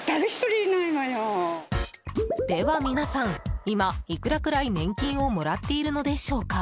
では皆さん、今いくらくらい年金をもらっているのでしょうか。